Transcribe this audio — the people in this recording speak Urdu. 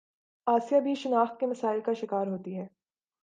آسیہ بھی شناخت کے مسائل کا شکار ہوتی ہے